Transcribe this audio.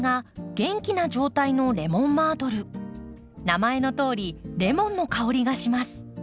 名前のとおりレモンの香りがします。